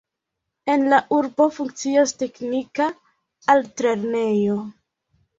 En la urbo funkcias teknika altlernejo.